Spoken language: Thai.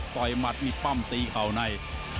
ยมัดมีปั้มตีเข่าใน